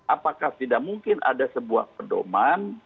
apakah tidak mungkin ada sebuah pedoman